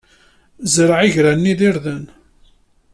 Zreɛ igran-nni d irden.